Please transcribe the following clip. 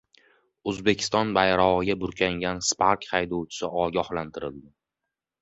O‘zbekiston bayrog‘iga burkangan "Spark" haydovchisi ogohlantirildi